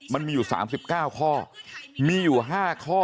มันมีอยู่๓๙ข้อมีอยู่๕ข้อ